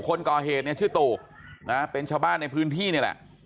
คนก่อเหตุเนี่ยชื่อตู่นะเป็นชาวบ้านในพื้นที่นี่แหละ